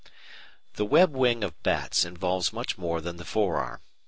The web wing of bats involves much more than the fore arm.